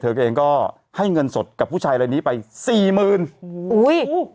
เธอก็เองก็ให้เงินสดกับผู้ชายอะไรนี้ไปสี่หมื่นอุ้ย